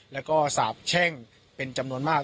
แล้วก็สาบแช่งเป็นจำนวนมาก